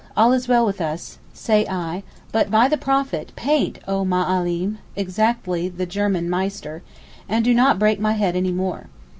all is well with us,' say I; 'but, by the Prophet, paint, oh Ma alim (exactly the German Meister) and do not break my head any more.